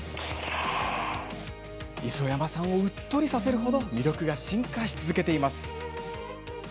磯山さんをうっとりさせる程魅力が進化し続けています。